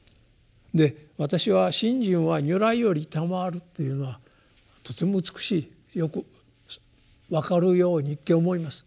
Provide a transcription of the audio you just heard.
私は「信心は如来よりたまわる」というのはとても美しいよく分かるように一見思います。